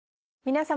皆様。